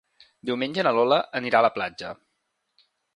Diumenge na Lola anirà a la platja.